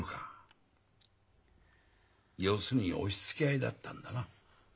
要するに押しつけあいだったんだな。